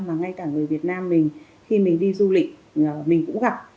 mà ngay cả người việt nam mình khi mình đi du lịch mình cũng gặp